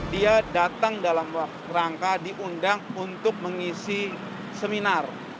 dia datang dalam rangka diundang untuk mengisi seminar